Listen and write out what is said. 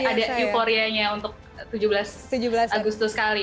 jadi ada euforianya untuk tujuh belas agustus kali ini betul